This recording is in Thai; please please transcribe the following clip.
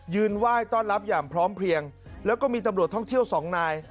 ไหว้ต้อนรับอย่างพร้อมเพลียงแล้วก็มีตำรวจท่องเที่ยวสองนาย